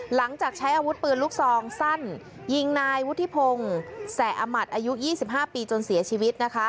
หลังจากใช้อาวุธปืนลูกซองสั้นยิงนายวุฒิพงศ์แส่อมัติอายุ๒๕ปีจนเสียชีวิตนะคะ